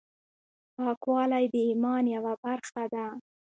پاکوالی د ایمان یوه برخه ده.